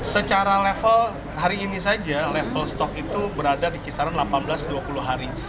secara level hari ini saja level stok itu berada di kisaran delapan belas dua puluh hari